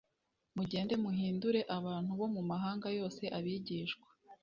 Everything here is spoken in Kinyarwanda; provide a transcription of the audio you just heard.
"Mugende muhindure abantu bo mu mahanga yose abigishwa."